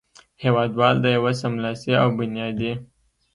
هېوادوال د یوه سملاسي او بنیادي